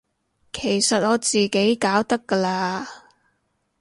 其實我自己搞得㗎喇